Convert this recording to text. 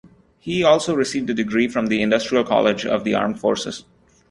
He also received a degree from the Industrial College of the Armed Forces.